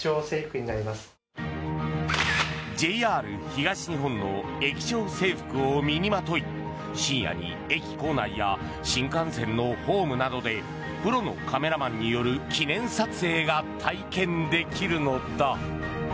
ＪＲ東日本の駅長制服を身にまとい深夜に駅構内や新幹線のホームなどでプロのカメラマンによる記念撮影が体験できるのだ。